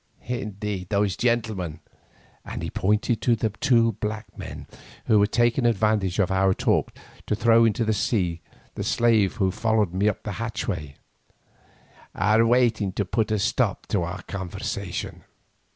Indeed those gentlemen," and he pointed to the two black men who were taking advantage of our talk to throw into the sea the slave who followed me up the hatchway, "are waiting to put a stop to our conversation.